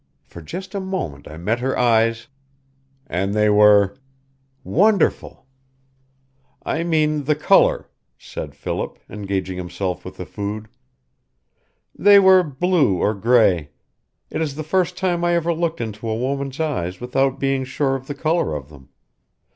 For just a moment I met her eyes " "And they were " "Wonderful!" "I mean the color," said Philip, engaging himself with the food. "They were blue or gray. It is the first time I ever looked into a woman's eyes without being sure of the color of them.